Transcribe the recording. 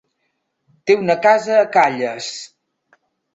Té una casa a Calles.